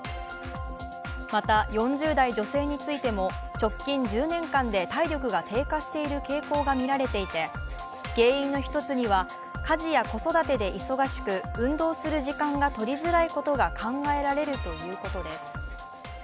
また、４０代女性についても、直近１０年間で体力が低下している傾向がみられていて、原因の一つには家事や子育てで忙しく、運動する時間が取りづらいことが考えられるということです。